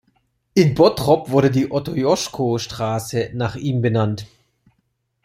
In Bottrop wurde die Otto-Joschko-Straße nach ihm benannt.